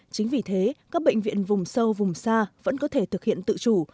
chính vì thế các bệnh viện vùng sâu vùng xa vẫn có thể thực hiện tự chủ